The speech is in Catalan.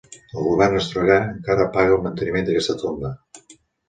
El Govern australià encara paga el manteniment d'aquesta tomba.